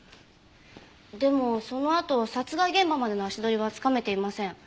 でもそのあと殺害現場までの足取りはつかめていません。